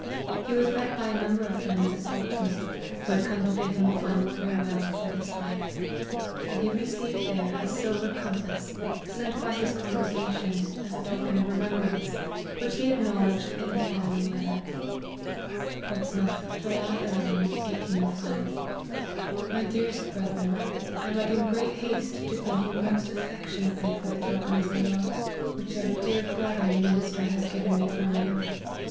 He was met by a number of friends at Portsmouth, who had come to bid him a final farewell, for this life ; and he received there a silver compass, sent by his congregation, as a u>ken of remembrance, which he acknowledged in the following letter : Portsmouth, July 11, 1805. " My dearest Brethren, I write in great haste to thank you most affectionately for the token of your love, which our dear brother and minister E 50 LIFE OF HENRY MARTYN. has given me from you.